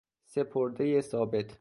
سپردهی ثابت